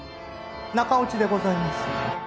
中落ちでございます。